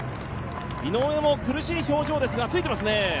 井上も苦しい表情ですが、ついていますね。